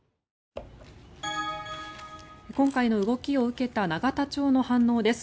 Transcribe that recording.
今回の動きを受けた永田町の反応です。